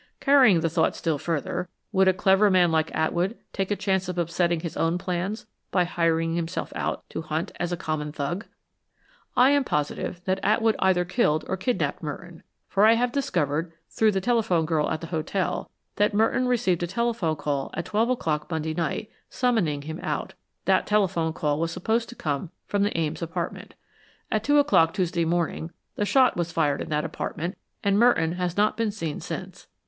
Carrying the thought still further, would a clever man like Atwood take a chance of upsetting his own plans by hiring himself out to Hunt as a common thug?" "I am positive that Atwood either killed or kidnapped Merton, for I have discovered, through the telephone girl at the hotel, that Merton received a telephone call at twelve o'clock Monday night, summoning him out. That telephone call was supposed to come from the Ames apartment. At two o'clock Tuesday morning the shot was fired in that apartment and Merton has not been seen since.